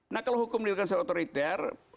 nah kalau hukum dilakukan secara otoriter